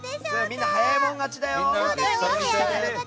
みんな、早い者勝ちだよ！